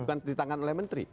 bukan ditangan oleh menteri